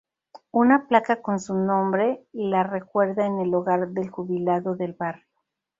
Una placa con su nombre la recuerda en el hogar del jubilado del barrio.